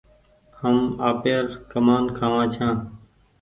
هم آپير ڪمآن کآوآن ڇآن